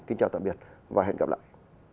kính chào tạm biệt và hẹn gặp lại